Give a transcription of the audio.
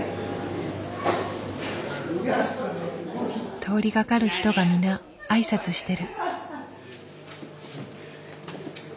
通りがかる人が皆挨拶してる。